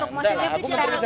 nggak apa apa nggak ada masalah